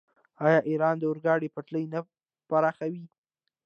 آیا ایران د اورګاډي پټلۍ نه پراخوي؟